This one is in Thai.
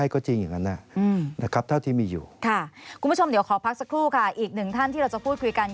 คุณผู้ชมเดี๋ยวขอพักสักครู่อีก๑ท่านที่เราจะพูดคุยกัน